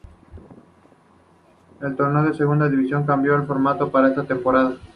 El torneo de Segunda División cambió de formato para esta temporada.